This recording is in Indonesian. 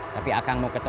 tapi akang mau ketemu